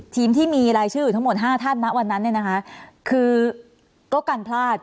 ทีมที่มีรายชื่อทั้งหมดห้าท่านนะวันนั้นเนี้ยนะคะคือก็กันพลาด